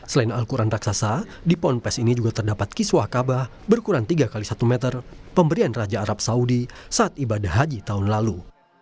selain al quran raksasa di ponpes ini juga terdapat kiswah kabah berukuran tiga x satu meter pemberian raja arab saudi saat ibadah haji tahun lalu